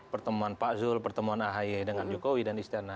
pertemuan pak zul pertemuan ahy dengan jokowi dan istana